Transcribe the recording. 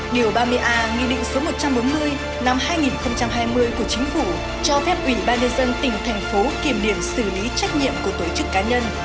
điều ba mươi a nghị định số một trăm bốn mươi năm hai nghìn hai mươi của chính phủ cho phép ủy ban nhân dân tỉnh thành phố kiểm niệm xử lý trách nhiệm của tổ chức cá nhân